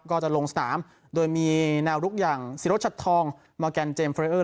ก็จะลงสนามโดยมีแนวลุกอย่างศิรชัดทองมอร์แกนเจมเฟรเออร์